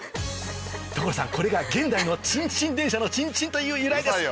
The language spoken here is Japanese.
所さんこれが現代のチンチン電車のチンチンという由来です！